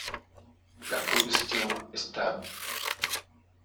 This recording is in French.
La combustion est stable.